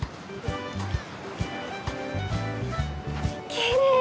きれい！